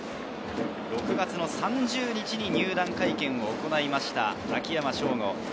６月３０日に入団会見を行いました秋山翔吾。